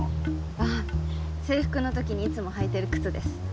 あっ制服の時にいつも履いてる靴です。